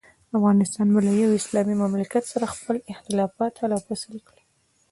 افغانستان به له یوه اسلامي مملکت سره خپل اختلافات حل او فصل کړي.